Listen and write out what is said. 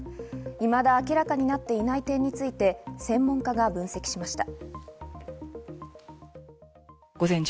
いまだ明らかになっていない点について専門家が分析しました。